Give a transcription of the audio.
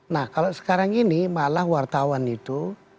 nah kalau sekarang ini malah wartawan itu